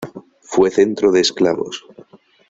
Fue centro de esclavos.